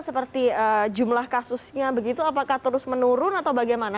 seperti jumlah kasusnya begitu apakah terus menurun atau bagaimana